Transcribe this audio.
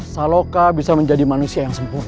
saloka bisa menjadi manusia yang sempurna